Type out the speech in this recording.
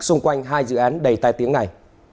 xung quanh hai dự án đầy tai tiếng này